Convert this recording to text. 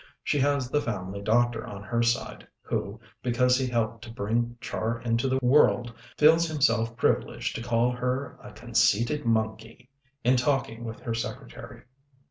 She has the family doctor on her side, who, because he helped to bring Char into the world, feels himself privileged to call her a "conceited monkey" in talking with her secretary.